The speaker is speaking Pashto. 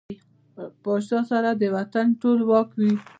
پاچا سره د وطن ټول واک وي .